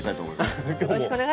よろしくお願いします。